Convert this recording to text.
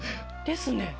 「ですね